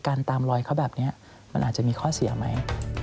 ตามลอยเขาแบบนี้มันอาจจะมีข้อเสียไหม